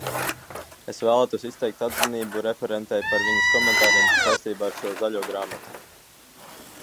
Es vēlētos izteikt atzinību referentei par viņas komentāriem saistībā ar šo Zaļo grāmatu.